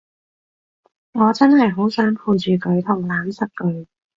我真係好想陪住佢同攬實佢